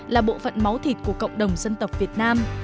là bộ phận máu thịt của cộng đồng dân tộc việt nam